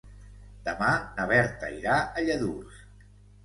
Demà na Berta irà a Lladurs.